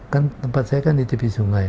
kan tempat saya kan di tepi sungai